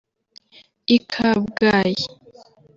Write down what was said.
I Kabgayi